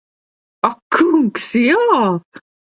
Ak kungs, jā!